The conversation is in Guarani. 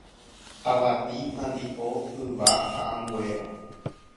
avati, mandi'o, yva ha ambuéva